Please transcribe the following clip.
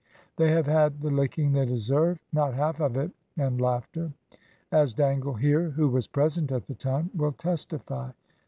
"They have had the licking they deserve," ("Not half of it!" and laughter), "as Dangle here, who was present at the time, will testify."